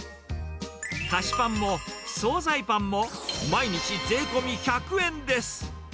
菓子パンも、総菜パンも、毎日税込み１００円です。